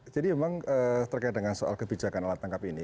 jadi emang terkait dengan soal kebijakan alat tangkap ini